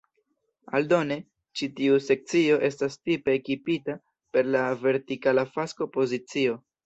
Aldone, ĉi tiu sekcio estas tipe ekipita per la vertikala fasko pozicio.